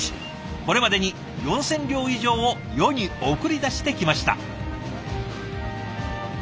これまでに４，０００両以上を世に送り出してきました。